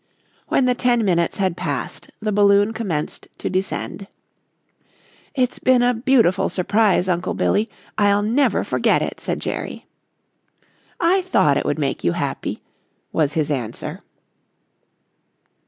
When the ten minutes had passed the balloon commenced to descend. "It's been a beautiful surprise, Uncle Billy, I'll never forget it," said Jerry. "I thought it would make you happy," was his answer.